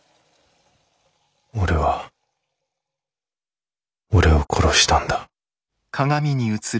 俺は俺を殺したんだ。